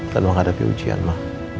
dan menghadapi ujian ma